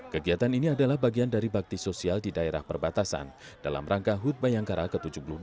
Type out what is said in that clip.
kegiatan ini adalah bagian dari bakti sosial di daerah perbatasan dalam rangka hut bayangkara ke tujuh puluh dua